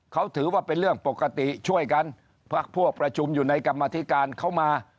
เขาถือว่าเป็นเรื่องปกติช่วยกันพักพวกประชุมอยู่ในกรรมธิการเขามา